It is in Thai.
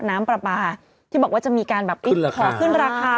น้ำปลาปลาที่บอกว่าจะมีการแบบขอขึ้นราคา